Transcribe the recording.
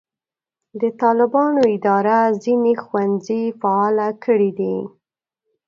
د طالبانو اداره ځینې ښوونځي فعاله کړي دي.